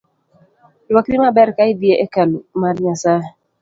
Rwakri maber ka idhii e kalu mar Nyasae